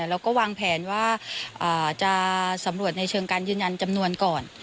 แล้วก็วางแผนว่าจะสำรวจในเชิงการยืนยันจำนวนก่อน